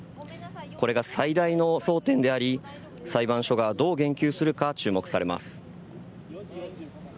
これが最大の争点であり裁判所がどう言及するか注目されます。